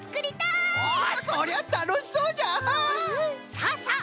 さあさあ